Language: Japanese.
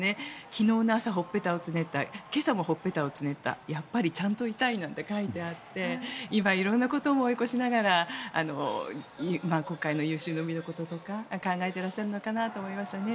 昨日の朝、ほっぺたをつねった今朝もほっぺたをつねったやっぱりちゃんと痛いなんて書いてあって今、色んなことを思い起こしながら今回の有終の美のこととか考えてらっしゃるのかなと思いましたね。